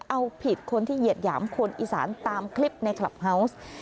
เอาผิดคนที่เหยียดหยามคนอีสานตามคลิปในคลับเฮาวส์